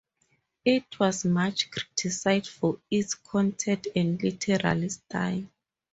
It was much criticised for its content and literary style.